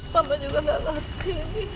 mama juga gak ngerti